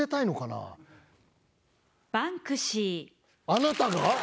あなたが！？